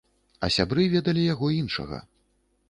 А сябры ведалі яго іншага.